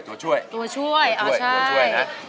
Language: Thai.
ตัวช่วยตัวช่วย